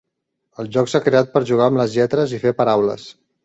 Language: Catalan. El joc s’ha creat per jugar amb les lletres i fer paraules.